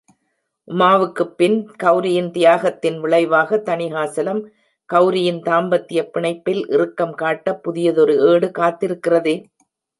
உமாவுக்குப் பின் கெளரியின் தியாகத்தின் விளைவாக, தணிகாசலம் கெளரியின் தாம்பத்தியப் பிணைப்பில் இறுக்கம் காட்ட புதியதொரு ஏடு காத்திருக்கிறதே?